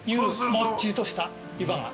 もっちりとしたゆばが。